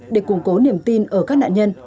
để củng cố niềm tin ở các nạn nhân